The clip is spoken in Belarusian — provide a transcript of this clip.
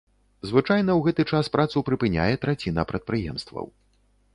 Звычайна ў гэты час працу прыпыняе траціна прадпрыемстваў.